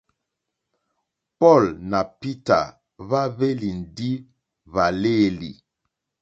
Paul nà Peter hwá hwélì ndí hwàléèlì.